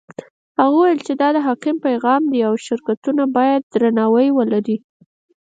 هغه وویل چې دا د حکم پیغام دی او شرکتونه باید درناوی ولري.